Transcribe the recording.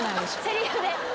せりふで。